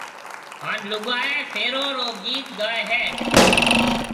ھان لوگائيَ ڦيرون رو گيت گائيَ ھيََََ